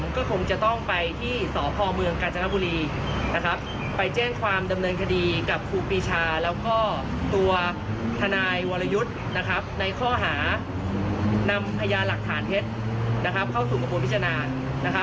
เข้าสู่กระบวนพิจารณา